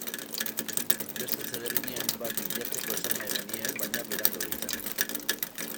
Beste zereginen bat bilatzeko esan nahi genien, baina Beranduegi zen.